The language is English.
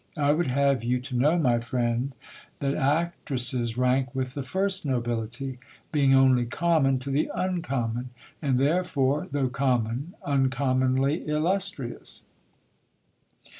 I would have you to know, my friend, that actresses rank with the first nobility ; being only common to the uncommon, and therefore, though common, uncommonly illustrious.